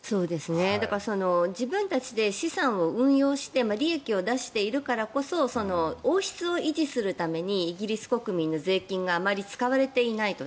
だから自分たちで資産を運用して利益を出しているからこそ王室を維持するためにイギリス国民の税金があまり使われていないと。